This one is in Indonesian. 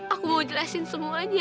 aku mau jelasin semuanya